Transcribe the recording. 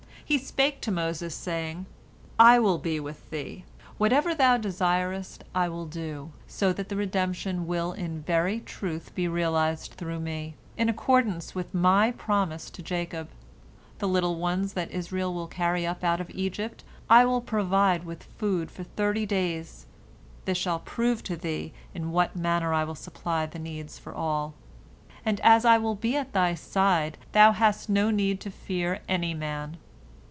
He spake to Moses, saying: "I will be with thee. Whatever thou desirest I will do, so that the redemption will in very truth be realized through Me, in accordance with My promise to Jacob. The little ones that Israel will carry up out of Egypt I will provide with food for thirty days. This shall prove to thee in what manner I will supply the needs of all. And as I will be at thy side, thou hast no need to fear any man.